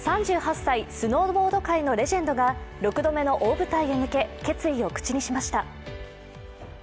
３８歳、スノーボード界のレジェンドが６度目の大舞台へ向け、決意を口にしました。